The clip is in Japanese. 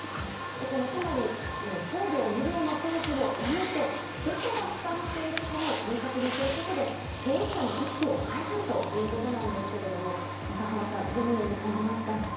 つまり、送料無料の表示をやめてどこが負担しているかを明確にすることで消費者の意識を変えたいということですが長濱さん、どのように感じますか。